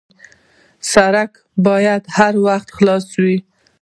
سړک باید هر وخت خلاص وي.